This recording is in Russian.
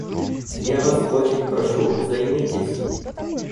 Я Вас очень прошу - займитесь.